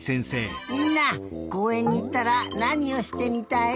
みんなこうえんにいったらなにをしてみたい？